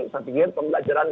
saya pikir pembelajaran